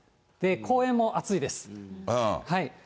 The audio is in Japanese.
公園も暑いです。